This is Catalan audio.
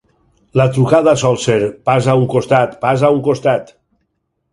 La trucada sol ser: "Pas a un costat, pas a un costat".